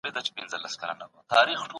موږ د سياست په اړه نوي فکرونه لرو.